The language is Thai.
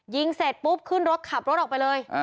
เสร็จปุ๊บขึ้นรถขับรถออกไปเลย